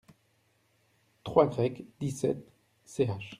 trois Greg., dix-sept, ch.